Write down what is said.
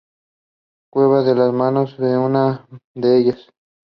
Veteran sailor Iain Murray served again as race director.